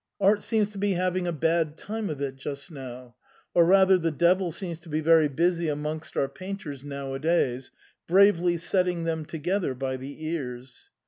Art seems to be having a bad time of it just now, or rather the devil seems to be very busy amongst our painters now a days, bravely setting them together by the ears.